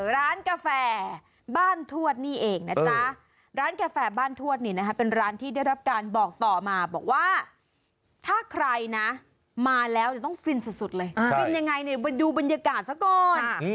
ร้านกาแฟบ้านทวดนี่เองนะจ๊ะร้านกาแฟบ้านทวดนี่นะคะเป็นร้านที่ได้รับการบอกต่อมาบอกว่าถ้าใครนะมาแล้วต้องฟินสุดเลยฟินยังไงเนี่ยไปดูบรรยากาศซะก่อน